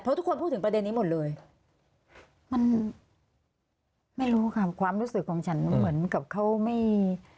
เพราะทุกคนพูดถึงประเด็นนี้หมดเลยมันไม่รู้ค่ะความรู้สึกของฉันเหมือนกับเขาไม่